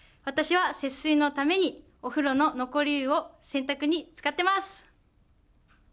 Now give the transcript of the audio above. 私は節水のためにお風呂の残り湯を洗濯に使ってます。